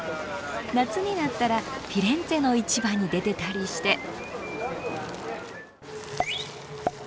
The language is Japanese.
夏になったらフィレンツェの市場に出てたりして。